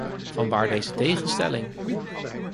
Vanwaar deze tegenstelling?